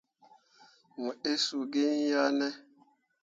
Mo inni suu gi iŋ yah ne.